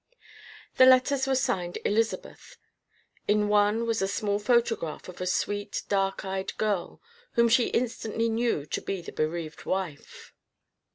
The letters were signed "Elizabeth." In one was a small photograph of a sweet, dark eyed girl whom she instantly knew to be the bereaved wife.